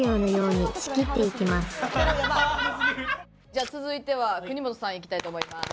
じゃあ続いては国本さんいきたいと思います。